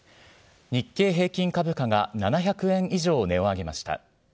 日経平均株価が７００円以上、値を上げました。